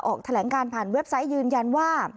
ออกแถลงการผ่านเว็บไซต์ยืนยันว่า